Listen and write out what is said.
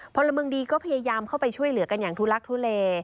พลเมืองดีก็พยายามเข้าไปช่วยเหลือกันอย่างทุลักทุเล